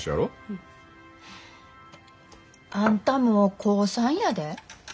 うん。あんたもう高３やで。